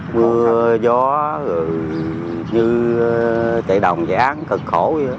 mưa gió như chạy đồng dãn thật khổ vậy đó